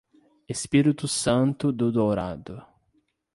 Espírito Santo do Dourado